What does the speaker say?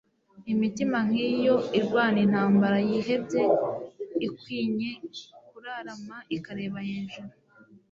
Imitima nk'iyo irwana intambara yihebye ikwinye kurarama ikareba hejuru.